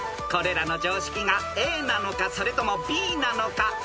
［これらの常識がＡなのかそれともＢなのか？］